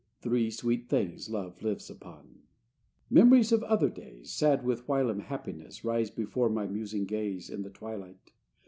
Three sweet things love lives upon. IX Memories of other days, Sad with whilom happiness, Rise before my musing gaze In the twilight....